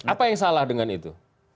apa yang salah dengan itu